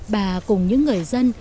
bà cùng những người dân